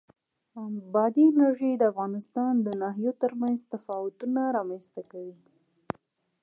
بادي انرژي د افغانستان د ناحیو ترمنځ تفاوتونه رامنځ ته کوي.